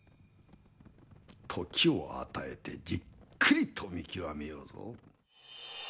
時を与えてじっくりと見きわめようぞ。